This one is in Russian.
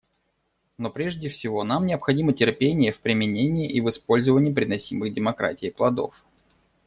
Но прежде всего нам необходимо терпение в применении и использовании приносимых демократией плодов.